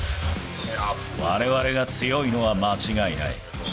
われわれが強いのは間違いない。